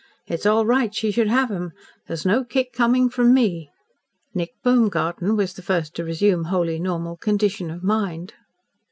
It's all right she should have 'em. There's no kick coming from me." Nick Baumgarten was the first to resume wholly normal condition of mind.